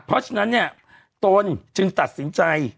เพราะฉะนั้นเนี่ยตนจึงตัดสินใจ